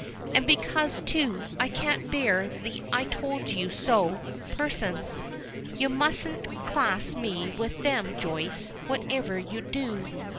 "And because, too, I can't bear the 'I told you so' persons. You mustn't class me with them, Joyce, whatever you do."